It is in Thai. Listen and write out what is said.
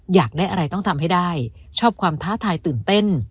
อยากได้อะไรต้องทำให้ได้ชอบความท้าทายตื่นเต้น